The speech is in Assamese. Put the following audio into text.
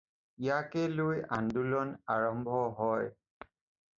ইয়াকে লৈ আন্দোলন আৰম্ভ হয়।